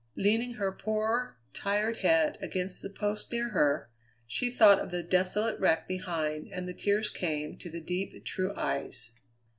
Leaning her poor, tired head against the post near her, she thought of the desolate wreck behind, and the tears came to the deep, true eyes.